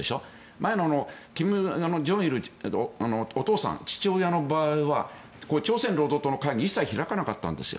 前の金正日、お父さんの場合は朝鮮労働党の会議一切開かなかったんですよ。